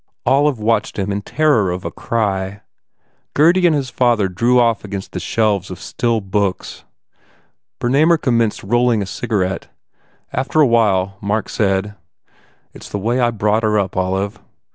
Olive watched him in terror of a cry. Gurdy and his father drew off against the shelves of still books. Bernamer com menced rolling a cigarette. After a while Mark said, "It s the way I was brought up, Olive."